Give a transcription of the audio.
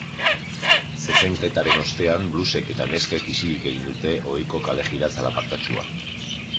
Zezenketaren ostean, blusek eta neskek isilik egin dute ohiko kale-jira zalapartatsua.